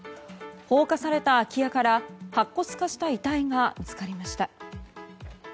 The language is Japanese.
放火された空き家から白骨化した遺体が見つかりました。